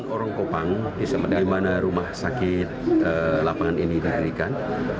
orang kopang di mana rumah sakit lapangan ini didirikan